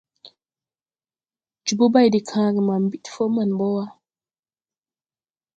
Jobo bay de kããge ma ɓid fɔ man bɔ wà.